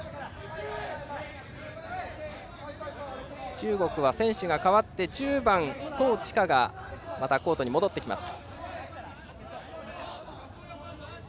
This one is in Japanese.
中国は選手が代わって１０番、唐治華がまたコートに戻ってきます。